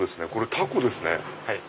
タコですね。